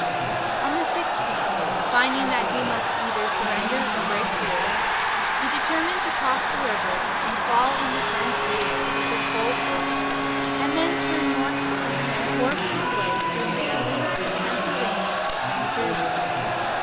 On the 16th, finding that he must either surrender or break through, he determined to cross the river and fall on the French rear with his whole force and then turn northward and force his way through Maryland, Pennsylvania, and the Jerseys.